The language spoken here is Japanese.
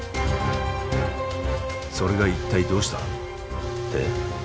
「それが一体どうした」って？